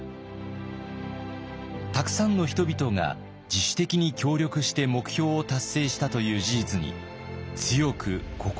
たくさんの人々が自主的に協力して目標を達成したという事実に強く心を動かされました。